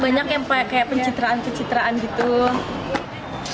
banyak yang pakai kayak pencitraan pencitraan gitu